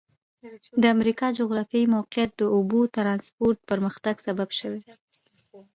د امریکا جغرافیایي موقعیت د اوبو ترانسپورت پرمختګ سبب شوی.